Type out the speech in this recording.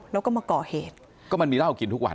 แล้วก็มาก่อเหตุก็มันมีเหล้ากินทุกวัน